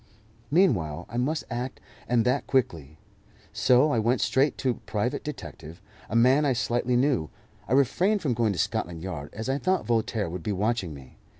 Meanwhile I must act, and that quickly; so I went straight to a private detective, a man I slightly knew. I refrained from going to Scotland Yard, as I thought Voltaire would be watching me.